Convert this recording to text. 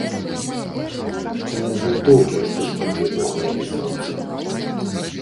Ці не з вінтоўкі гэты штык якога-небудзь француза?